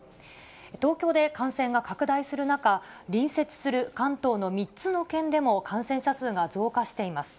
東京で感染が拡大する中、隣接する関東の３つの県でも感染者数が増加しています。